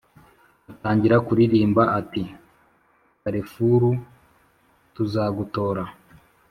atangira kuririmba ati"karefuru tuzagutora.............